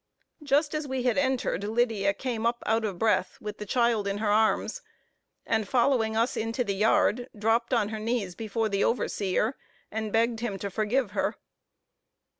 Just as we had entered, Lydia came up out of breath, with the child in her arms; and following us into the yard, dropped on her knees before the overseer, and begged him to forgive her.